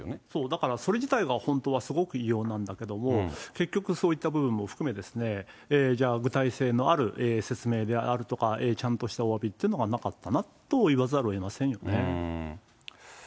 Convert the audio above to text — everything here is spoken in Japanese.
だからそれ自体が本当はすごく異様なんだけども、結局、そういった部分も含め、じゃあ具体性のある説明であるとかちゃんとしたおわびっていうのがなかったなと言わざるをえませんよね。